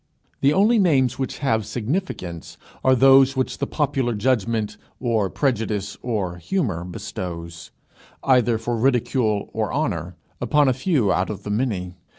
The only names which have significance are those which the popular judgment or prejudice or humour bestows, either for ridicule or honour, upon a few out of the many.